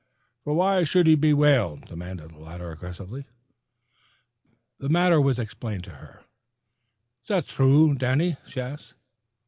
"F'r why sh'u'd he be whaled?" demanded the latter aggressively. The matter was explained to her. "Is that thrue, Danny?" she asked.